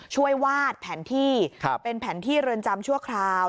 วาดแผนที่เป็นแผนที่เรือนจำชั่วคราว